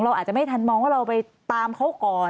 อาจจะไม่ทันมองว่าเราไปตามเขาก่อน